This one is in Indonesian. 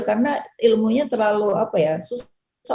karena ilmunya terlalu apa ya